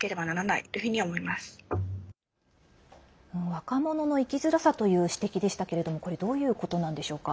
若者の生きづらさという指摘でしたけれどもこれはどういうことなんでしょうか。